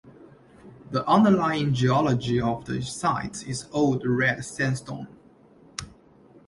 The underlying geology of the site is old red sandstone.